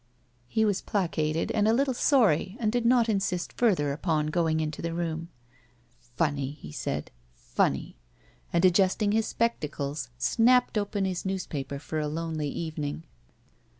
He was placated and a little sorry and did not insist further upon going into the room. "Funny," he said. "Fimny," and, adjusting his spectacles, snapped open his newspaper for a lonely evening.